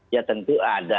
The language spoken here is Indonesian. ya tentu ada